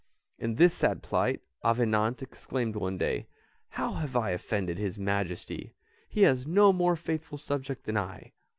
In this sad plight, Avenant exclaimed one day, "How have I offended his Majesty? He has no more faithful subject than I."